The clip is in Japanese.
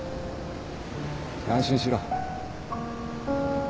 安心しろ。